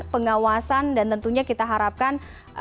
pengawasan dan tentunya kita harapkan